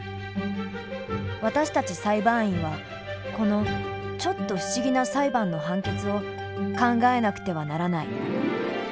私たち裁判員はこのちょっと不思議な裁判の判決を考えなくてはならない。